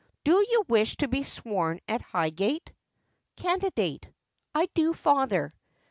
DO you wish to be sworn at Highgate? Candidate. I do, Father.